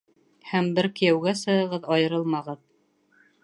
Һәм бер кейәүгә сығығыҙ, айырылмағыҙ!